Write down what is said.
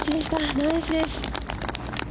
ナイスです。